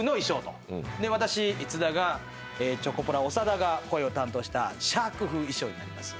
私津田がチョコプラ長田が声を担当したシャーク風衣装になります。